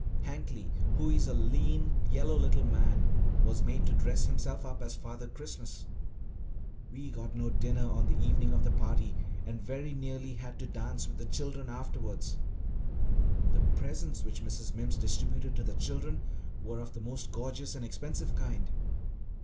Hankly, who is a lean, yellow little man, was made to dress himself up as "Father Christmas." We got no dinner on the evening of the party, and very nearly had to dance with the children afterwards. The presents which Mrs. Mimms distributed to the children were of the most gorgeous and expensive kind.